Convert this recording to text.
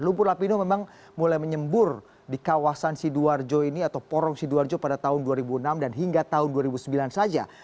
lumpur lapindo memang mulai menyembur di kawasan sidoarjo ini atau porong sidoarjo pada tahun dua ribu enam dan hingga tahun dua ribu sembilan saja